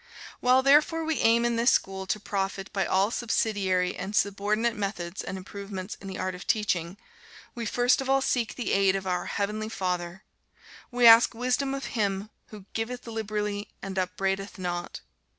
While, therefore, we aim in this school to profit by all subsidiary and subordinate methods and improvements in the art of teaching, we first of all seek the aid of our Heavenly Father; we ask wisdom of Him who "giveth liberally and upbraideth not."